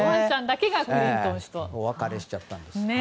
お別れしちゃったんです。